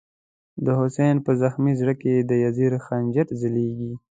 د «حسین» په زغمی زړه کی، د یزید خنجر ځلیږی